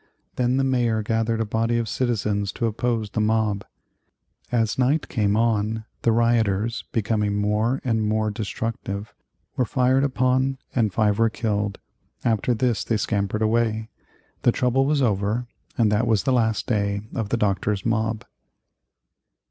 Then the Mayor gathered a body of citizens to oppose the mob. As night came on, the rioters, becoming more and more destructive, were fired upon and five were killed. After this they scampered away, the trouble was over, and that was the last of the Doctors' Mob.